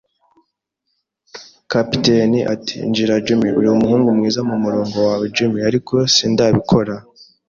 Kapiteni ati: “Injira, Jim.” “Uri umuhungu mwiza mu murongo wawe, Jim, ariko sindabikora